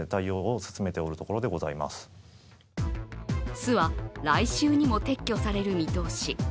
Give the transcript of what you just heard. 巣は来週にも撤去される見通し。